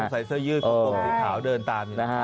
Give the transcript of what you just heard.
โต้งใส่เสื้อยืนผู้หมาลอกหลุดขาวเดินตาม